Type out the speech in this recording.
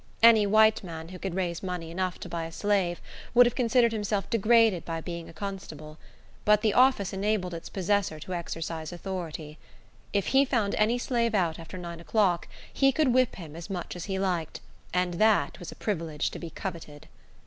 Any white man, who could raise money enough to buy a slave, would have considered himself degraded by being a constable; but the office enabled its possessor to exercise authority. If he found any slave out after nine o'clock, he could whip him as much as he liked; and that was a privilege to be coveted.